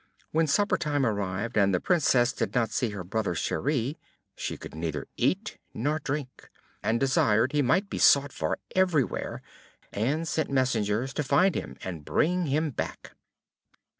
When supper time arrived, and the Princess did not see her brother Cheri, she could neither eat nor drink; and desired he might be sought for everywhere, and sent messengers to find him and bring him back.